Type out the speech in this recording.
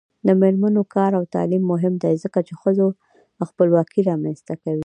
د میرمنو کار او تعلیم مهم دی ځکه چې ښځو خپلواکي رامنځته کوي.